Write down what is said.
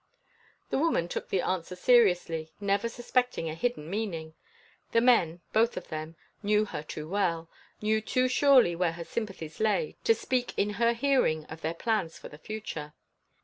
The woman took the answer seriously, never suspecting a hidden meaning. The men, both of them, knew her too well, knew too surely where her sympathies lay, to speak in her hearing of their plans for the future.